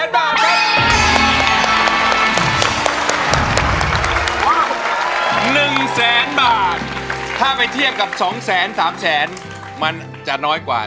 ๑๐๐๐๐๐บาทถ้าไปเทียบกับ๒๐๐๐๐๐๓๐๐๐๐๐มันจะน้อยกว่า